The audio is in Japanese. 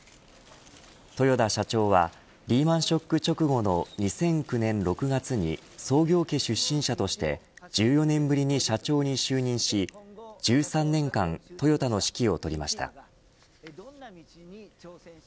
豊田社長はリーマン・ショック直後の２００９年６月に創業家出身者として１４年ぶりに社長に就任し１３年間トヨタの指揮を執りました。